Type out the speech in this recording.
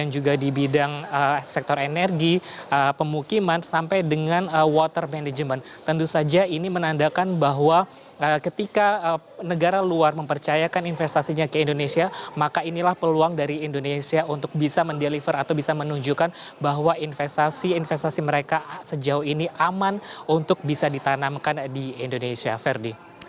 kaisar jepang hironomiya naruhito bersama permaisuri masako diagendakan berkunjung ke istana negara bogor jawa barat pagi ini tadi